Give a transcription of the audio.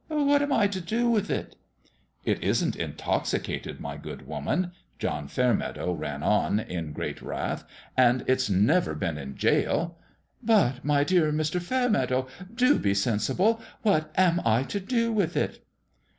" What am I to do with it ?"" It isn't intoxicated, my good woman," John Fairmeadow ran on, in great wrath ;" and it's never been in jail." " But my dear Mr. Fairmeadow, do be sensible ; what am I to do with it